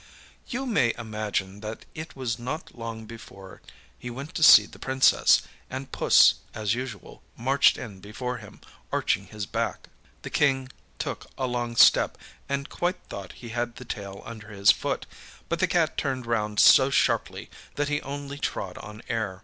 You may imagine that it was not long before he went to see the Princess, and puss, as usual, marched in before him, arching his back. The King took a long step, and quite thought he had the tail under his foot, but the cat turned round so sharply that he only trod on air.